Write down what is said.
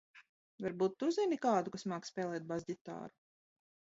Varbūt tu zini kādu, kas māk spēlēt basģtāru?